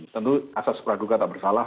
tentu asas praduga tak bersalah